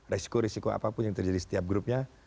risiko risiko apapun yang terjadi setiap grupnya